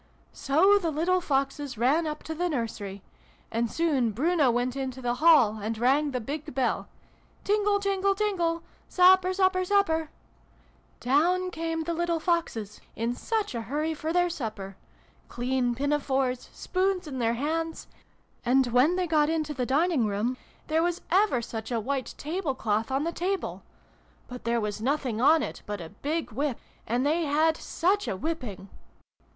" So the little Foxes ran up to the nursery. And soon Bruno went into the hall, and rang the big bell. ' Tingle, tingle, tingle ! Supper, xv] THE LITTLE FOXES. 245 supper, supper !' Down came the little Foxes, in such a hurry for their supper ! Clean pina fores ! Spoons in their hands ! And, when they got into the dining room, there was ever such a white table cloth on the table ! But there was nothing on it but a big whip. And they had such a whipping